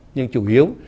nhưng chủ yếu